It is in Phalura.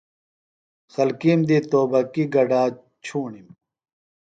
خلکیم دی توبکی گڈا چھوݨِم۔